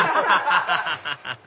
ハハハハハ！